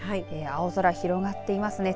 青空、広がっていますね。